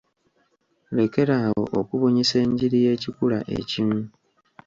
Lekera awo okubunyisa enjiri y'ekikula ekimu.